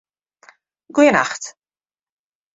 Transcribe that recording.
Goenacht